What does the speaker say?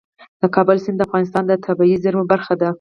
د کابل سیند د افغانستان د طبیعي زیرمو برخه ده.